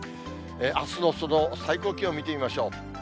あすのその最高気温、見てみましょう。